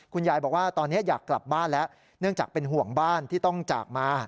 คุณยายบอกว่าตอนนี้อยากกลับบ้านแล้วเนื่องจากเป็นห่วงบ้านที่ต้องจากมา